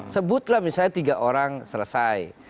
sebutlah misalnya tiga orang selesai